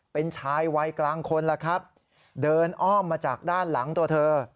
เป็นชายวัยกลางคนแล้วครับเดินอ้อมมาจากด้านหลังตัวเธอ